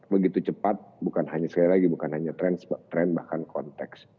begitu cepat bukan hanya sekali lagi bukan hanya tren bahkan konteks